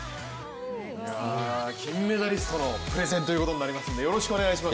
金メダリストのプレゼンということになりますんで、よろしくお願いします。